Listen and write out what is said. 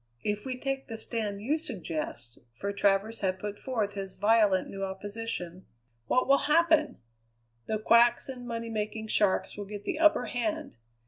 If we take the stand you suggest" for Travers had put forth his violent, new opposition "what will happen? The quacks and money making sharks will get the upper hand.